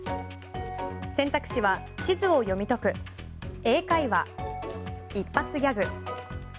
選択肢は、地図を読み解く英会話、一発ギャグ。